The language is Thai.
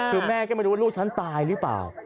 คือแม่ก็ไม่รู้ว่าลูกฉันตายหรือเปล่า